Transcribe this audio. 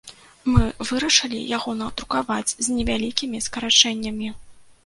Мы вырашылі яго надрукаваць з невялікімі скарачэннямі.